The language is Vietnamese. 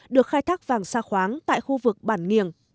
được khai thác vàng sa khoáng tại khu vực bản nghiềng